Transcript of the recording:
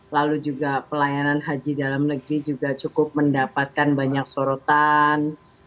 lalu juga pelayanan haji dalam negeri juga cukup mendapatkan banyak sorotan